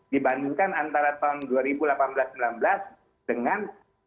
dibandingkan antara tahun dua ribu delapan belas dua ribu sembilan belas dengan dua ribu sembilan belas dua ribu dua puluh